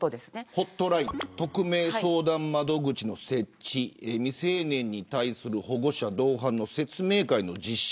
ホットライン匿名相談窓口の設置未成年に対する保護者同伴の説明会の実施